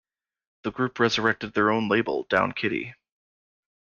The group resurrected their own label Down Kiddie!